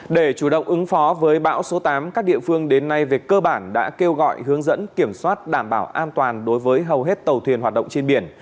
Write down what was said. để chủ động ứng phó với bão số tám các địa phương đến nay về cơ bản đã kêu gọi hướng dẫn kiểm soát đảm bảo an toàn đối với hầu hết tàu thuyền hoạt động trên biển